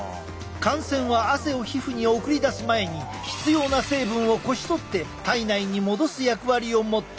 汗腺は汗を皮膚に送り出す前に必要な成分をこしとって体内に戻す役割を持っているのだ。